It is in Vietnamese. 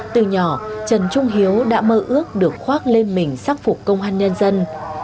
từ nhỏ trần trung hiếu đã mơ ước được khoác lên mình sắc phục công an nhân dân